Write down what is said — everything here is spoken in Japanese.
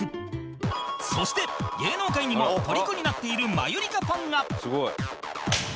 そして芸能界にも虜になっているマユリカファンが